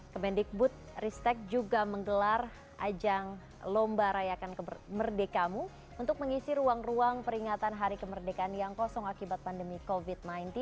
kemendikbud ristek juga menggelar ajang lomba rayakan merdekamu untuk mengisi ruang ruang peringatan hari kemerdekaan yang kosong akibat pandemi covid sembilan belas